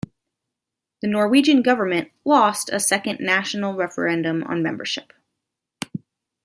The Norwegian government lost a second national referendum on membership.